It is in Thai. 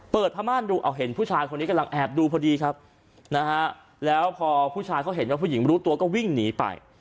พม่านดูเอาเห็นผู้ชายคนนี้กำลังแอบดูพอดีครับนะฮะแล้วพอผู้ชายเขาเห็นว่าผู้หญิงรู้ตัวก็วิ่งหนีไป